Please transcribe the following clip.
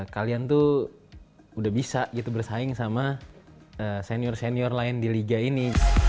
kalian tuh udah bisa gitu bersaing sama senior senior lain di liga ini